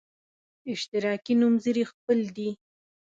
اشتراکي نومځري خپل دی.